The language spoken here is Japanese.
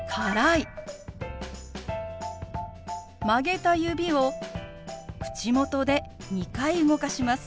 曲げた指を口元で２回動かします。